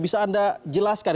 bisa anda jelaskan